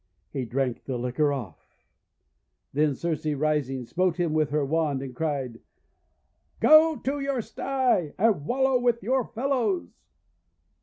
He drank the liquor off. Then Circe, rising, smote him with her wand, and cried : !<Go to your sty, and wallow with your fellows!"